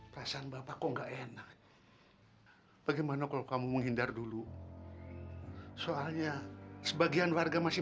perasaan bapak kok enggak enak bagaimana kalau kamu menghindar dulu soalnya sebagian warga masih